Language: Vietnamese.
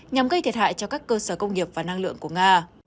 nhằm gây thiệt hại cho các cơ sở công nghiệp và năng lượng của nga